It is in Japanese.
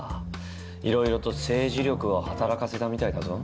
いろいろと政治力を働かせたみたいだぞ。